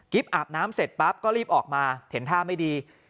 อาบน้ำเสร็จปั๊บก็รีบออกมาเห็นท่าไม่ดี